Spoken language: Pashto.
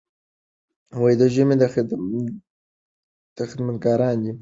دوی د ژبې خدمتګاران دي.